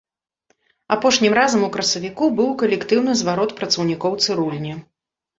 Апошнім разам у красавіку быў калектыўны зварот працаўнікоў цырульні.